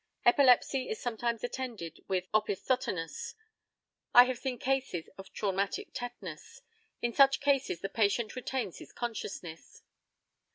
Epilepsy is sometimes attended with opisthotonos. I have seen cases of traumatic tetanus. In such cases the patient retains his consciousness.